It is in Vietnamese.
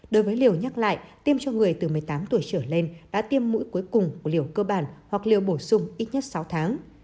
đối với liều nhắc lại tiêm cho người từ một mươi tám tuổi trở lên đã tiêm mũi cuối cùng của liều cơ bản hoặc liều bổ sung ít nhất sáu tháng